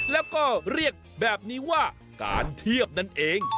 แล้วก็เรียกแบบนี้ว่าการเทียบนั่นเอง